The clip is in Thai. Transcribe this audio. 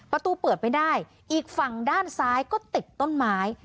ประตูเปิดไม่ได้อีกฝั่งด้านซ้ายก็ติดต้นไม้